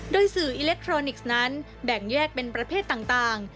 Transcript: โดยสื่ออิเล็กทรอนิกส์นั้นแบ่งแยกเป็นประเภทต่าง